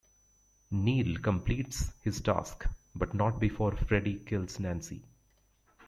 Neil completes his task, but not before Freddy kills Nancy.